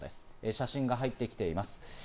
写真が入ってきています。